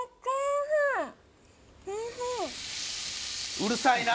うるさいな！